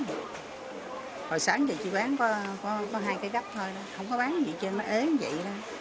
bán gì chỉ bán có hai cây gắp thôi không có bán gì hết trơn nó ế như vậy